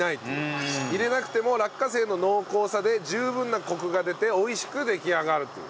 入れなくても落花生の濃厚さで十分なコクが出て美味しく出来上がるという。